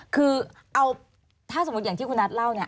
คือเอาถ้าสมมุติอย่างที่คุณนัทเล่าเนี่ย